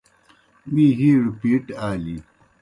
می ہِیڑ پِیٹ آلِن۔